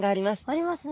ありますね。